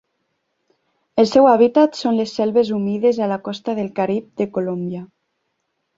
El seu hàbitat són les selves humides a la costa del Carib de Colòmbia.